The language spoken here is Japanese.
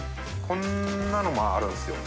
こんなのもあるんですよ。